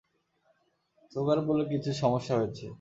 Super বোলে কিছু সমস্যা হয়েছে!